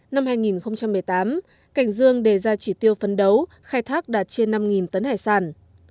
năm hai nghìn một mươi tám cảnh dương đề ra chỉ tiêu phấn đấu khai thác đạt trên năm tấn hải sản